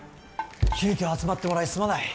急きょ集まってもらいすまない。